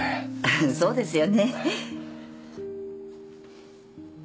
そうですよね。